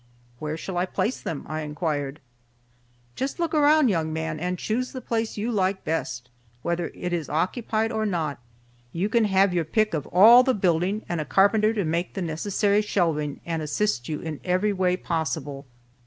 "Where shall I place them?" I inquired. "Just look around, young man, and choose the place you like best, whether it is occupied or not. You can have your pick of all the building, and a carpenter to make the necessary shelving and assist you every way possible!"